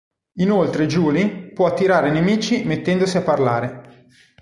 Inoltre Juli può attirare i nemici mettendosi a parlare.